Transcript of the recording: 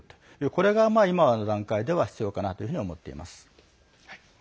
これが、今の段階では必要かなというふうに思っています。